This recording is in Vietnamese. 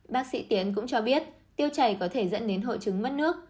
bác sĩ tiến cũng cho biết tiêu chảy có thể dẫn đến hội chứng mất nước